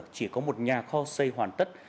chỉ có một nhà kho xây hoàn tất